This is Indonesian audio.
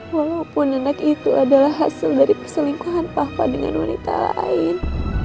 walaupun anak itu adalah hasil dari perselingkuhan papa dengan wanita lain